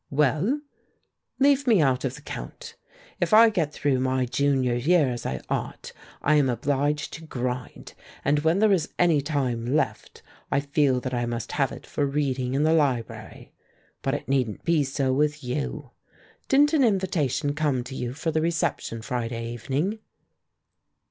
"Well, leave me out of the count. If I get through my Junior year as I ought, I am obliged to grind; and when there is any time left, I feel that I must have it for reading in the library. But it needn't be so with you. Didn't an invitation come to you for the reception Friday evening?"